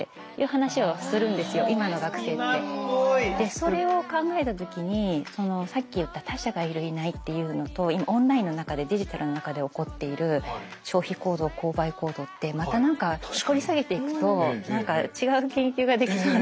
それを考えた時にそのさっき言った他者がいるいないっていうのとオンラインの中でデジタルの中で起こっている消費行動購買行動ってまた何か掘り下げていくと違う研究ができそうな。